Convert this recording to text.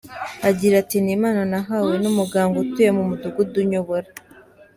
Agira ati “ Ni impano nahawe n’umuganga utuye mu mudugudu nyobora.